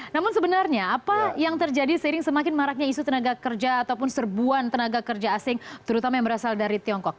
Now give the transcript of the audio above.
namun sebenarnya apa yang terjadi seiring semakin maraknya isu tenaga kerja ataupun serbuan tenaga kerja asing terutama yang berasal dari tiongkok